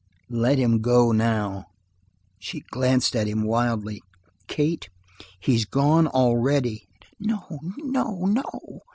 "Let him go now." She glanced at him wildly. "Kate, he's gone already." "No, no, no!"